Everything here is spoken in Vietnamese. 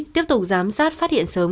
tiếp tục giám sát phát hiện sớm